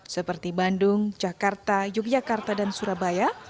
seperti bandung jakarta yogyakarta dan surabaya